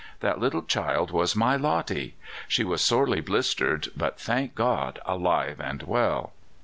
That little child was my Lottie! She was sorely blistered, but, thank God! alive and well."